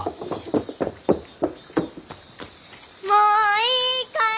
もういいかい？